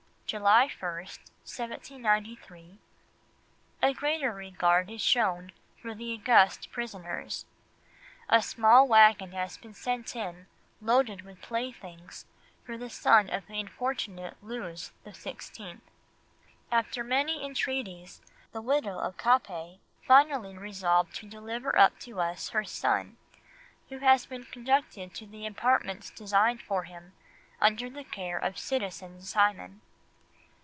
July 1, 1793, "A greater regard is shown for the august prisoners. A small waggon has been sent in loaded with playthings for the son of the unfortunate Louis XVI." "After many entreaties the widow of Capet finally resolved to deliver up to us her son, who has been conducted to the apartments designed for him under the care of citizen Simon."